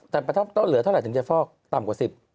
แต่ต้องเหลือเท่าไรจนจะฟอกต่ำกว่า๑๐